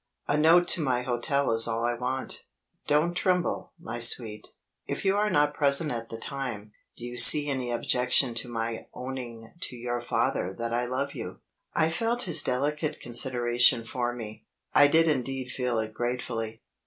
A note to my hotel is all I want. Don't tremble, my sweet. If you are not present at the time, do you see any objection to my owning to your father that I love you?" I felt his delicate consideration for me I did indeed feel it gratefully.